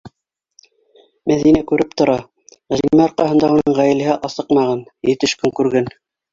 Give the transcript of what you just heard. Мәҙинә күреп тора: Ғәзимә арҡаһында уның ғаиләһе асыҡмаған, етеш көн күргән.